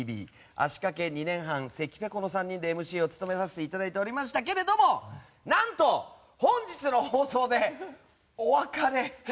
足掛け２年、半関ぺこの３人でＭＣを務めさせていただいていましたが何と、本日の放送でお別れ。